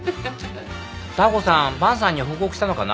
ダー子さん伴さんに報告したのかな？